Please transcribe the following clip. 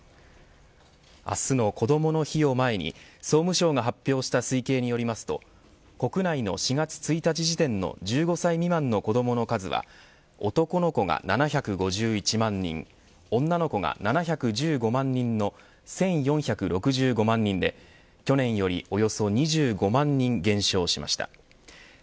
明日のこどもの日を前に総務省が発表した推計によりますと国内の４月１日時点での１５歳未満の子どもの数は男の子が７５１万人女の子が７１５万人の１４６５万人で去年よりおよそ２５万人減少しました。